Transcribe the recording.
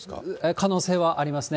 可能性はありますね。